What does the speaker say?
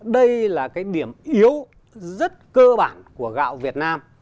đây là cái điểm yếu rất cơ bản của gạo việt nam